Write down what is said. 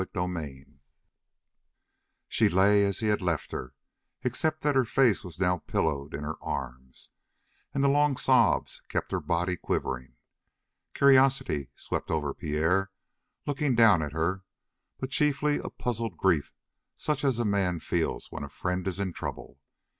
CHAPTER 18 She lay as he had left her, except that her face was now pillowed in her arms, and the long sobs kept her body quivering. Curiosity swept over Pierre, looking down at her, but chiefly a puzzled grief such as a man feels when a friend is in trouble.